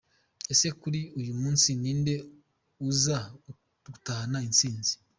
Ese kuri uyu munsi ni inde uza gutahana instinzi?.